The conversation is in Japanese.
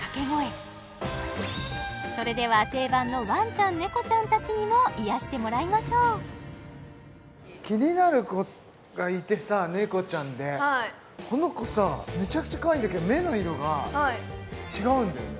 それでは定番のワンちゃん猫ちゃんたちにも癒してもらいましょう気になるコがいてさ猫ちゃんでこのコさめちゃくちゃ可愛いんだけど目の色が違うんだよね